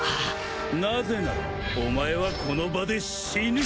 なぜならお前はこの場で死ぬ！